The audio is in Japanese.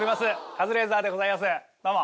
カズレーザーでございますどうも。